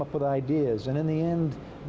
jadi ini adalah satu topik yang luas